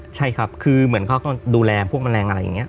ใช่ครับคือเหมือนเขาก็ดูแลพวกแมลงอะไรอย่างนี้